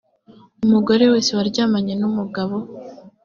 umugore wese waryamanye n umugabo